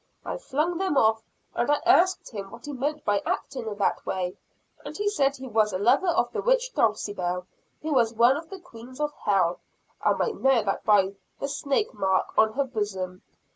I flung them off; and I asked him what he meant by acting in that way? And he said he was a lover of the witch Dulcibel; who was one of the queens of Hell I might know that by the snake mark on her bosom.